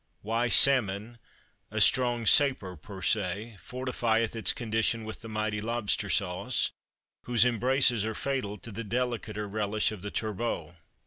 "why salmon (a strong sapor per se) fortifieth its condition with the mighty lobster sauce, whose embraces are fatal to the delicater relish of the turbot."